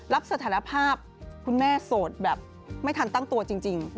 สถานภาพคุณแม่โสดแบบไม่ทันตั้งตัวจริง